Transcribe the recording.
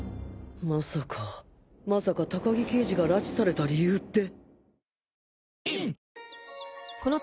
まさかまさか高木刑事が拉致された理由って